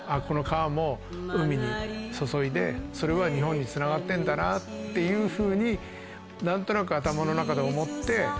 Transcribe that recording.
この川も海に注いでそれは日本につながってんだなっていうふうに何となく頭の中で思って。